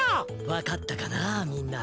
わかったかなみんな。